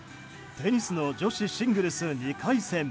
テニスの女子シングルス２回戦。